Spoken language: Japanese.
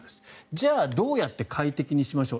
じゃあどうやって快適にしましょう。